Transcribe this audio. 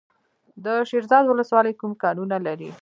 د شیرزاد ولسوالۍ کوم کانونه لري؟